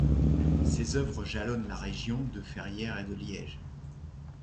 Ses œuvres jalonnent la région de Ferrières et de Liège.